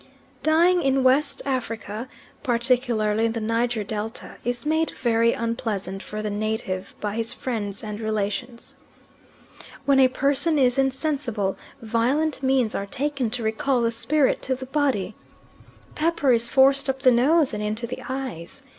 Dying in West Africa particularly in the Niger Delta, is made very unpleasant for the native by his friends and relations. When a person is insensible, violent means are taken to recall the spirit to the body. Pepper is forced up the nose and into the eyes.